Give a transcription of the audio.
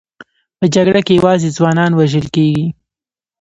په جګړه کې یوازې ځوانان وژل کېږي